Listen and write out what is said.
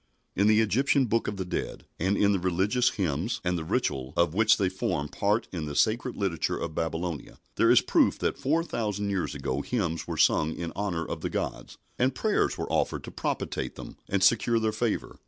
In the Egyptian Book of the Dead, and in the religious hymns and the ritual of which they formed part in the sacred literature of Babylonia, there is proof that four thousand years ago hymns were sung in honour of the gods, and prayers were offered to propitiate them and secure their favour.